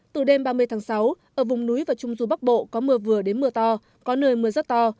từ đêm ba mươi tháng sáu ở vùng núi và trung du bắc bộ có mưa vừa đến mưa to có nơi mưa rất to